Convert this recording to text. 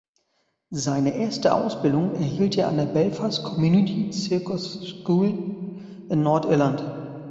Seine erste Ausbildung erhielt er an der Belfast Community Circus School in Nordirland.